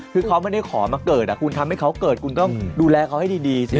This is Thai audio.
คือเขาไม่ได้ขอมาเกิดคุณทำให้เขาเกิดคุณก็ดูแลเขาให้ดีสิ